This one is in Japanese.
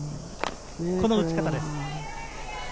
この打ち方です。